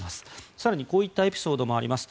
更にこういったエピソードもあります。